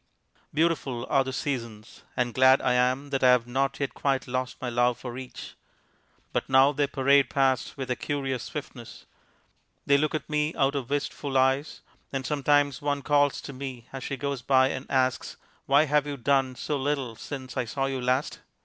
Beautiful are the seasons; and glad I am that I have not yet quite lost my love for each. But now they parade past with a curious swiftness! They look at me out of wistful eyes, and sometimes one calls to me as she goes by and asks, "Why have you done so little since I saw you last?"